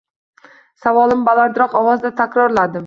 Savolimni balandroq ovozda takrorladim